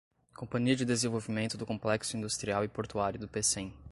Companhia de Desenvolvimento do Complexo Industrial e Portuário do Pecém